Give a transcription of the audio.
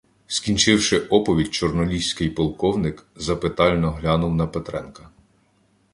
Скінчивши оповідь, чорноліський полковник запитально глянув на Петренка.